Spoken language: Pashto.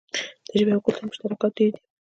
د ژبې او کلتور مشترکات ډیر دي.